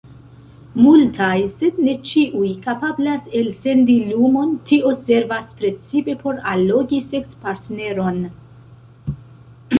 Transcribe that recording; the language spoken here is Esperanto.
Multaj, sed ne ĉiuj, kapablas elsendi lumon; tio servas precipe por allogi seks-partneron.